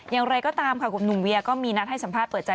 อย่างไรก็ตามค่ะคุณหนุ่มเวียก็มีนัดให้สัมภาษณ์เปิดใจ